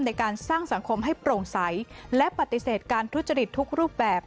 ในการสร้างสังคมให้โปร่งใสและปฏิเสธการทุจริตทุกรูปแบบ